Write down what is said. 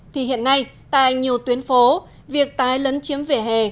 thì hiện nay tại nhiều tuyến phố việc tái lấn chiếm vỉa hè